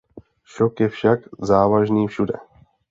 Šok je však závažný všude.